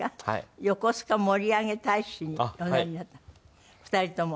横須賀盛り上げ大使におなりになったって２人とも。